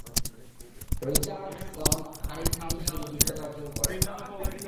Richardson আইনজীবী হিসেবে যোগ্যতা অর্জন করেন।